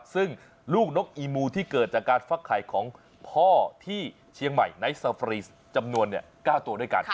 ซึ่งลูกนกอีมูที่เกิดจากการฟักไข่ของพ่อที่เชียงใหม่ไนท์ซาฟรีจำนวน๙ตัวด้วยกัน